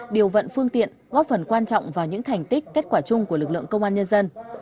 điều vận phương tiện góp phần quan trọng vào những thành tích kết quả chung của lực lượng công an nhân dân